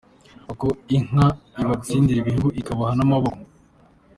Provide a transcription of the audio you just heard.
Uko inka ibatsindira ibihugu ,ikabaha n’amaboko.